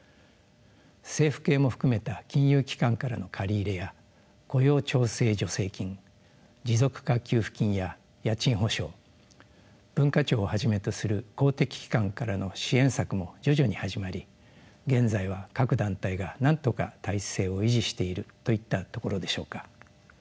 政府系も含めた金融機関からの借り入れや雇用調整助成金持続化給付金や家賃保証文化庁をはじめとする公的機関からの支援策も徐々に始まり現在は各団体がなんとか体制を維持しているといったところでしょうか。